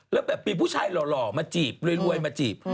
แล้วแบบมีผู้ชายหล่อมาจีบรวยมาจีบ